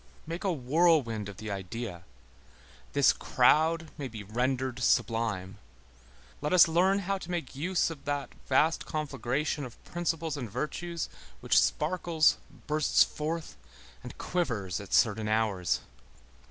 Make a whirlwind of the idea. This crowd may be rendered sublime. Let us learn how to make use of that vast conflagration of principles and virtues, which sparkles, bursts forth and quivers at certain hours.